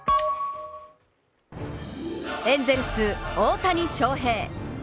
エンゼルス・大谷翔平。